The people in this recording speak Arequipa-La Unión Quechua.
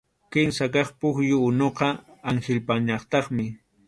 Kimsa kaq pukyu unuqa Anhilpañataqmi.